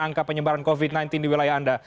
angka penyebaran covid sembilan belas di wilayah anda